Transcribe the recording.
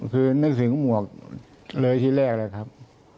คือนึกถึงหมวกเลยที่แรกเลยครับ